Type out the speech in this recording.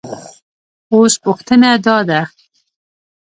اوس پوښتنه دا ده